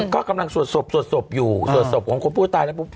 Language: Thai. ก็กำลังสวดศพสวดศพอยู่สวดศพของคนผู้ตายแล้วปุ๊บ